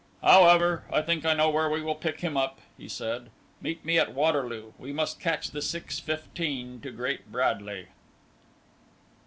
"However, I think I know where we will pick him up," he said. "Meet me at Waterloo; we must catch the 6:15 to Great Bradley."